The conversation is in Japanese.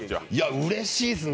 うれしいですね！